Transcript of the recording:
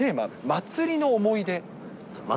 祭りの思い出？